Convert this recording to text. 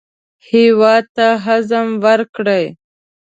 هېواد ته عزم ورکړئ